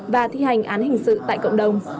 và thi hành án hình sự tại cộng đồng